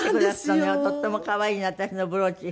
とっても可愛いの私のブローチ。